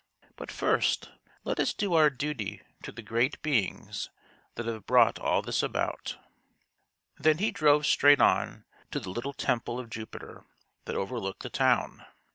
But first, let us do our duty to the great beings that have brought all this about." Then he drove straight on to the little temple of Jupiter that overlooked the town.